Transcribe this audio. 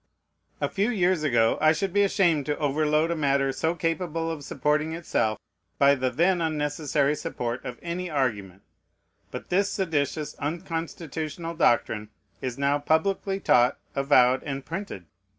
A few years ago I should be ashamed to overload a matter so capable of supporting itself by the then unnecessary support of any argument; but this seditious, unconstitutional doctrine is now publicly taught, avowed, and printed.